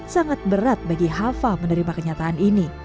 sangat berat bagi hafa menerima kenyataan ini